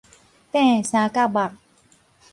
佯三角目